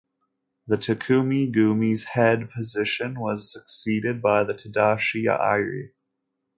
The Takumi-gumi's head position was succeeded by Tadashi Irie.